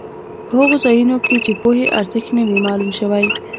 په هغو ځایونو کې چې پوهې ارزښت نه وي معلوم شوی.